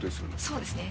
そうですね。